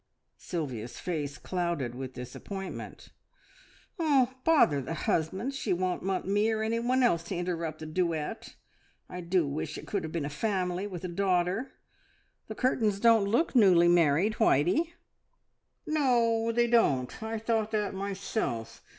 Sylvia's face clouded with disappointment. "Bother the husband! She won't want me or anyone else to interrupt the duet. I do wish it could have been a family with a daughter. The curtains don't look newly married, Whitey!" "No, they don't. I thought that myself.